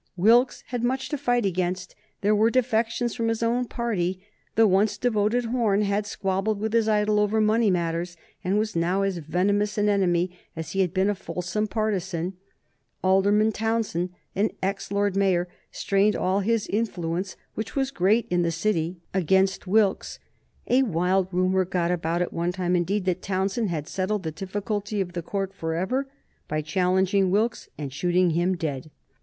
Wilkes had much to fight against. There were defections from his own party. The once devoted Horne had squabbled with his idol over money matters, and was now as venomous an enemy as he had been a fulsome partisan. Alderman Townshend, an ex Lord Mayor, strained all his influence, which was great in the City, against Wilkes. A wild rumor got about at one time, indeed, that Townshend had settled the difficulty of the Court forever by challenging Wilkes and shooting him dead.